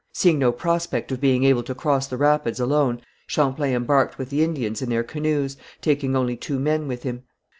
Seeing no prospect of being able to cross the rapids alone, Champlain embarked with the Indians in their canoes, taking only two men with him.